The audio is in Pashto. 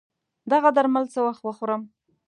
دغه درمل څه وخت وخورم